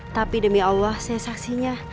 tapi demi allah saya saksinya